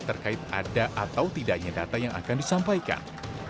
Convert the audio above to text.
terkait ada atau tidaknya data yang akan disampaikan